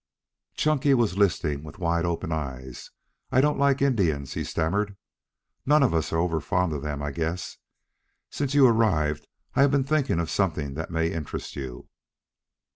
Chunky was listening with wide open eyes. "I I don't like Indians," he stammered. "None of us are overfond of them, I guess. Since you arrived I have been thinking of something that may interest you."